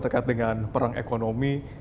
terkait dengan perang ekonomi